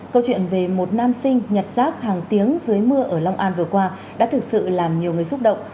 câu chuyện về một nam sinh nhặt rác hàng tiếng dưới mưa ở long an vừa qua đã thực sự làm nhiều người xúc động